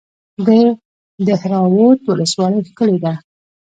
د دهراوود ولسوالۍ ښکلې ده